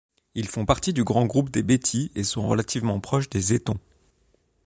Ils font partie du grand groupe des Beti et sont relativement proches des Eton.